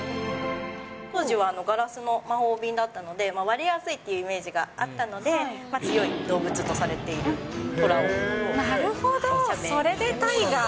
当時はガラスの魔法瓶だったので、割れやすいというイメージがあったので、なるほど、それでタイガー。